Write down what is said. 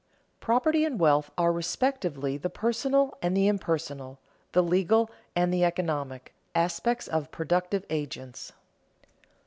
_Property and wealth are respectively the personal and the impersonal, the legal and the economic, aspects of productive agents.